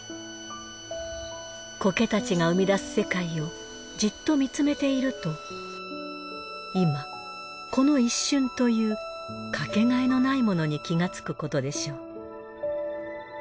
苔たちが生み出す世界をじっと見つめていると今この一瞬というかけがえのないものに気がつくことでしょう。